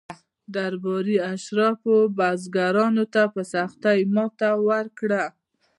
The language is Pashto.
درباري اشرافو بزګرانو ته په سختۍ ماته ورکړه.